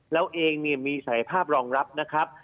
แล้วเองเนี่ยมีศักดิ์ภาพรองรับนะครับ